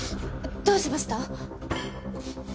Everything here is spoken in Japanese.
どうしました？